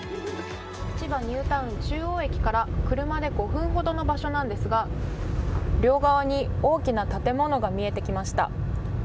千葉ニュータウン中央駅から車で５分ほどの場所なんですが両側に大きな建物が見えてきました。